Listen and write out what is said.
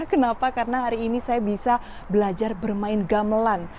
kenapa karena hari ini saya bisa belajar bermain gamelan